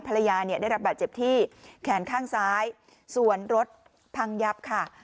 ภรรยาเนี่ยได้รับบาดเจ็บที่แขนข้างซ้ายส่วนรถพังยับค่ะ